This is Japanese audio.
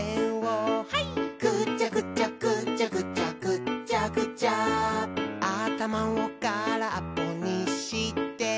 「ぐちゃぐちゃぐちゃぐちゃぐっちゃぐちゃ」「あたまをからっぽにしてハイ！」